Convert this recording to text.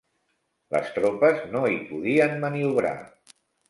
Les tropes no hi podien maniobrar.